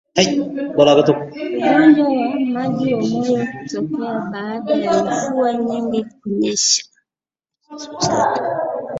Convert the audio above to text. Ugonjwa wa majimoyo hutokea baada ya mvua nyingi kunyesha